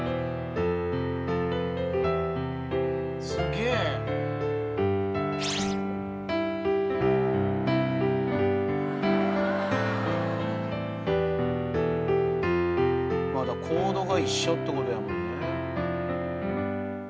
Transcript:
すげえコードが一緒ってことやもんね